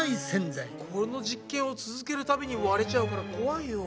この実験を続けるたびに割れちゃうからこわいよ。